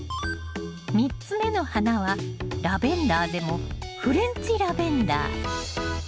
３つ目の花はラベンダーでもフレンチラベンダー。